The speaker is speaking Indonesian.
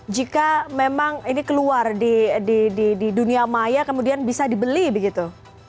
jika memang ini keluar di dunia maya kemudian bisa dibeli begitu